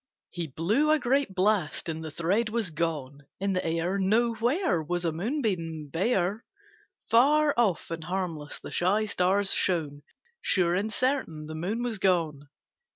He blew a great blast, and the thread was gone; In the air Nowhere Was a moonbeam bare; Far off and harmless the shy stars shone; Sure and certain the Moon was gone.